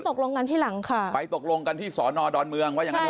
ตกลงกันที่หลังค่ะไปตกลงกันที่สอนอดอนเมืองว่าอย่างนั้น